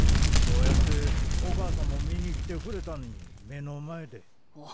こうやってお母さんも見に来てくれたのに目の前で。